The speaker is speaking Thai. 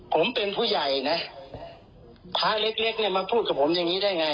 ผมเป็นผู้ใหญ่นะพระเล็กเล็กเนี่ยมาพูดกับผมอย่างนี้ได้ไง